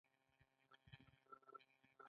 مصرفي اجناس هغه اجناس دي چې موده یې کمه وي.